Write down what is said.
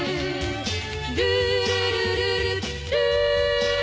「ルールルルルルー」